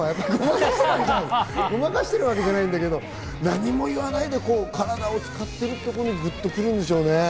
ごまかしてるわけじゃないんだけど、何も言わないで体を使ってるところにグッとくるんでしょうね。